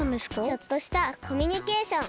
ちょっとしたコミュニケーション。